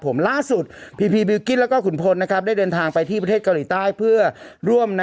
ผมล่าสุดแล้วก็ขุนพลนะครับได้เดินทางไปที่ประเทศเกาหลีใต้เพื่อร่วมนะ